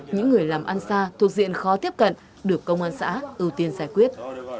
những người làm ăn xa thuộc diện khó tiếp cận được công an xã ưu tiên giải quyết